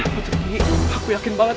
putri aku yakin banget